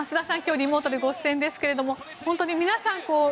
リモートでご出演ですけど本当に皆さん